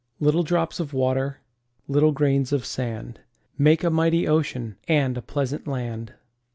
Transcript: LITTLE drops of water, J Little grains of sand, Make a mighty Ocean And a pleasant land.